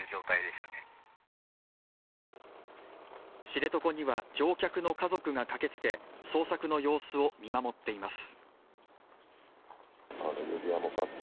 知床には、乗客の家族が駆けつけ捜索の様子を見守っています。